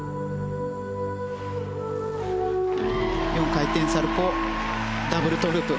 ４回転サルコウダブルトウループ。